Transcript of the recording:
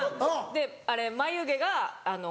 であれ眉毛があの。